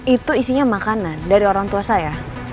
itu isinya makanan dari orang tua saya